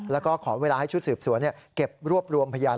แล้วก็ขอเวลาให้ชุดสืบสวนเก็บรวบรวมพยาน